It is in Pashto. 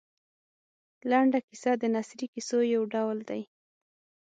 لنډه کیسه د نثري کیسو یو ډول دی.